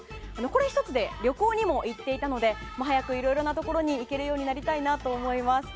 これ１つで旅行にも行っていたので早くいろいろなところに行けるようになりたいなと思います。